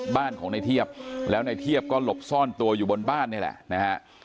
บ้านของในเทียบแล้วในเทียบก็หลบซ่อนตัวอยู่บนบ้านนี่แหละนะฮะ